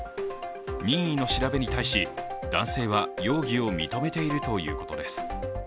任意の調べに対し、男性は容疑を認めているということです。